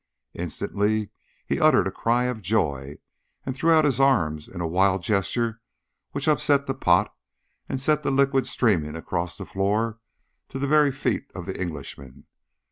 Instantly he uttered a cry of joy, and threw out his arms in a wild gesture which upset the pot and sent the liquid streaming across the floor to the very feet of the Englishman.